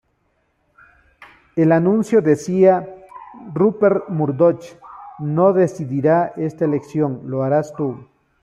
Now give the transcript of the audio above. El anuncio decía: "Rupert Murdoch no decidirá esta elección, lo harás tu".